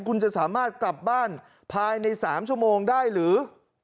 คุณจะสามารถกลับบ้านภายใน๓ชั่วโมงได้หรือ